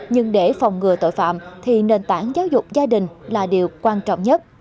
nhưng để phòng ngừa tội phạm thì nền tảng giáo dục gia đình là điều quan trọng nhất